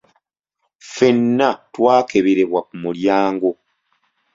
Ffena twakeberebwa ku mulyango.